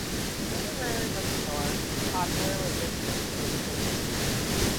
This literary bookstore was popular with visitors to the city.